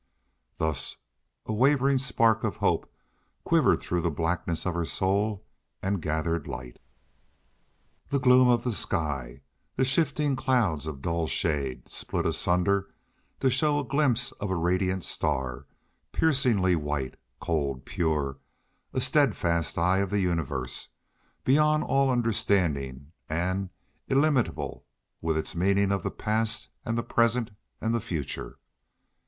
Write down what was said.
Thus a wavering spark of hope quivered through the blackness of her soul and gathered light. The gloom of the sky, the shifting clouds of dull shade, split asunder to show a glimpse of a radiant star, piercingly white, cold, pure, a steadfast eye of the universe, beyond all understanding and illimitable with its meaning of the past and the present and the future.